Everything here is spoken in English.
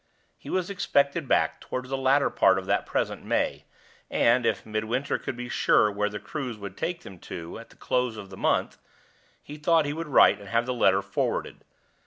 He was expected back toward the latter part of that present May, and, if Midwinter could be sure where the cruise would take them to at the close of the month, he thought he would write and have the letter forwarded.